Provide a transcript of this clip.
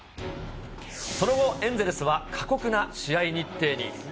その後、エンゼルスは過酷な試合日程に。